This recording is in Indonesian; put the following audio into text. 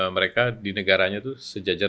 mereka di negaranya itu sejajar